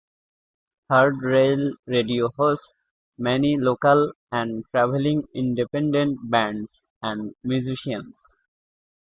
Third Rail Radio hosts many local and traveling independent bands and musicians.